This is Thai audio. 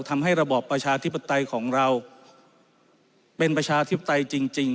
ทำให้ระบอบประชาธิปไตยของเราเป็นประชาธิปไตยจริง